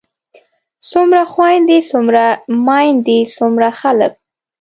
څومره خويندے څومره ميايندے څومره خلک